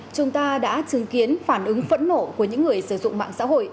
chúng ta đã chứng kiến phản ứng phẫn nộ của những người sử dụng mạng xã hội